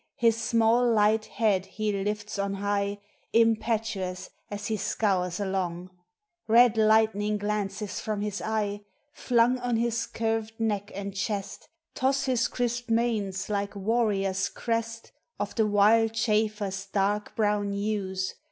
His small, light head he lifts on high, Impetuous as lie sconrs along; Red lightning glances from liis e\o; Flung on liis curved neck and chest, Toss his crisped manes like warrior's crest) Of the wild chafer's dark brown hues.